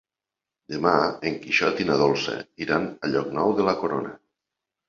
Demà en Quixot i na Dolça iran a Llocnou de la Corona.